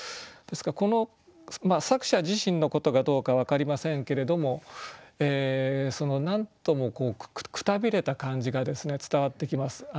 この作者自身のことかどうか分かりませんけれども何ともくたびれた感じが伝わってきます。